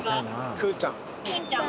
くーちゃん。